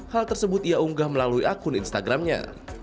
hal tersebut ia unggah melalui akun instagramnya